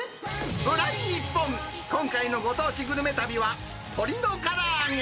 日本、今回のご当地グルメ旅は、鶏のから揚げ。